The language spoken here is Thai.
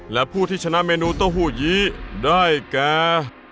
และผู้ที่ชนะเมนูเต้าหู้ยีได้แก่